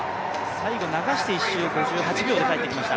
最後流して１周５８秒で帰ってきました。